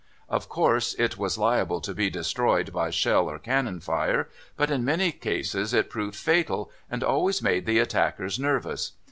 Of course, it was liable to be destroyed by shell or cannon fire, but in many cases it proved fatal, and always made the attackers nervous.